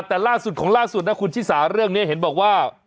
แต่ล่าสุดของล่าสุดนะคุณชิสาเรื่องนี้เห็นบอกว่า